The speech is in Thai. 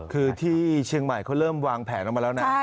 คือที่เชียงใหม่เขาเริ่มวางแผนออกมาแล้วนะ